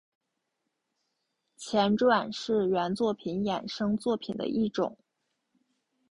前传是原作品衍生作品的一种。